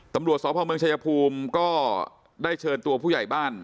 ตำรวจสพเมืองชายภูมิก็ได้เชิญตัวผู้ใหญ่บ้าน